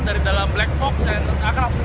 dari dalam black box dan akan langsung